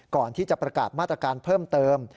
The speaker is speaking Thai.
ก่อนที่จะประกาศมาตรการเพิ่มเติม